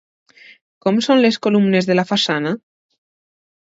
Com són les columnes de la façana?